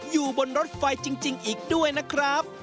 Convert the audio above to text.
อยู่บนรถไฟจริงอีกด้วยนะครับ